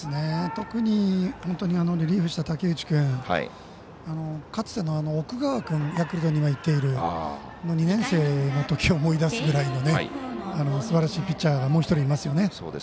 特に、リリーフした武内君かつての奥川君ヤクルトにいっている２年生のときを思い出すくらいのすばらしいピッチャーがもう１人いますよね。